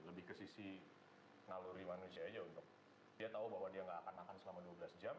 lebih ke sisi naluri manusia aja untuk dia tahu bahwa dia nggak akan makan selama dua belas jam